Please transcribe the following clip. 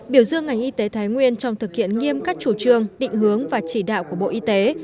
biểu dương ngành y tế thái nguyên trong thực hiện nghiêm các chủ trương định hướng và chỉ đạo của bộ y tế